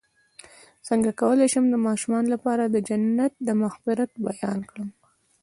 څنګه کولی شم د ماشومانو لپاره د جنت د مغفرت بیان کړم